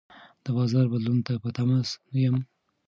د بازار بدلون ته په تمه یم.